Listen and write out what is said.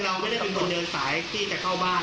เราไม่ได้เป็นคนเดินสายที่จะเข้าบ้าน